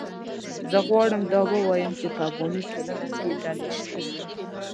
زه غواړم دا ووایم چې په افغاني ټولنه کې ډلې شته